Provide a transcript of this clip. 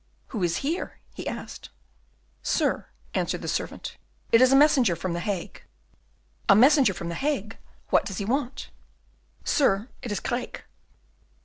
"Who is here?" he asked. "Sir," answered the servant, "it is a messenger from the Hague." "A messenger from the Hague! What does he want?" "Sir, it is Craeke."